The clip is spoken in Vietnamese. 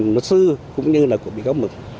một sư cũng như là của bị cáo mừng